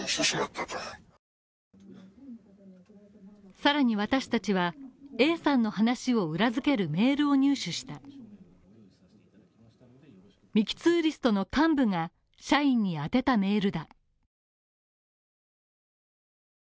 さらに私達はＡさんの話を裏付けるメールを入手したミキ・ツーリストの幹部が社員に宛てたメールだ。